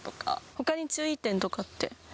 ほかに注意点とかって？